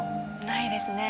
ないですね